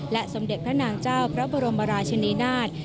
สมเด็จพระนางเจ้าพระบรมราชนีนาฏ